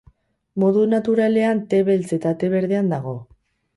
Modu naturalean te beltz eta te berdean dago.